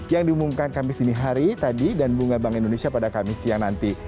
yang diumumkan kamis dini hari tadi dan bunga bank indonesia pada kamis siang nanti